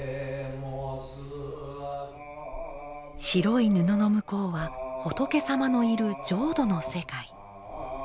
白い布の向こうは仏様のいる浄土の世界。